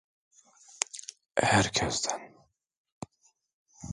Herkesten…